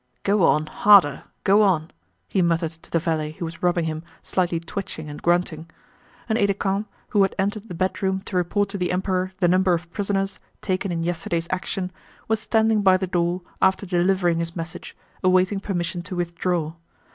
"Go on, harder, go on!" he muttered to the valet who was rubbing him, slightly twitching and grunting. An aide de camp, who had entered the bedroom to report to the Emperor the number of prisoners taken in yesterday's action, was standing by the door after delivering his message, awaiting permission to withdraw.